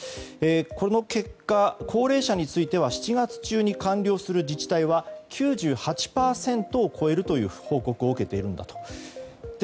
この結果高齢者については７月中に終了する自治体は９８％を超えるという報告を受けているんだと。